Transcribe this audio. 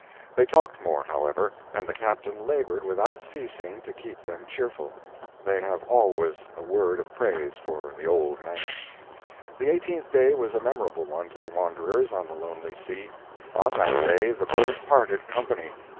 They talked more, however, and the Captain labored without ceasing to keep them cheerful. [They have always a word of praise for the "old man"] The eighteenth day was a memorable one to the wanderers on the lonely sea. On that day the boats parted company.